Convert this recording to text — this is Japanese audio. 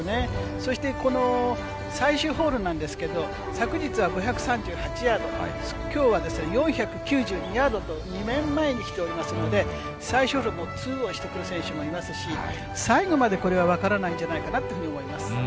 そして、この最終ホールなんですけど、昨日は５３８ヤード、きょうは４９２ヤードと、前に来ておりますので、最終日も２オンしてくる選手もいますし、最後までこれは分からないんじゃないかなと思います。